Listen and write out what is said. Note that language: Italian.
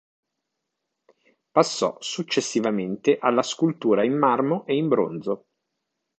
Passò successivamente alla scultura in marmo e in bronzo.